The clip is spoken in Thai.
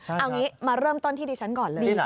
เอางี้มาเริ่มต้นที่ดิฉันก่อนเลย